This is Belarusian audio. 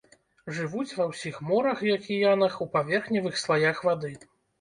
Жывуць ва ўсіх морах і акіянах у паверхневых слаях вады.